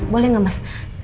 boleh gak mas